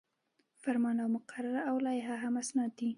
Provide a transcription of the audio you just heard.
فرمان او مقرره او لایحه هم اسناد دي.